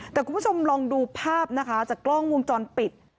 แต่คุณผู้ชมลองดูภาพนะคะจากกล้องวงจรปิด